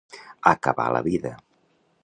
Acabar la vida.